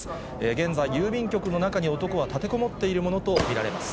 現在、郵便局の中に男は立てこもっているものと見られます。